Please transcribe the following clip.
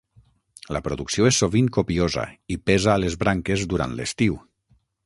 La producció és sovint copiosa i pesa a les branques durant l'estiu.